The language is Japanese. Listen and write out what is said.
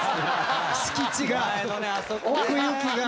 敷地が！